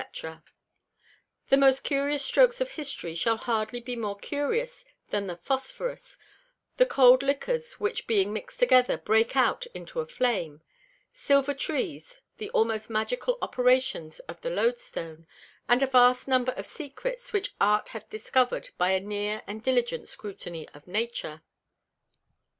_ The most curious strokes of History shall hardly be more curious than the Phosphorus, the cold Liquors which being mixt together, break out into a flame; Silver Trees, the almost Magical Operations of the Load Stone, and a vast number of Secrets, which Art hath discover'd by a near and diligent Scrutiny of Nature.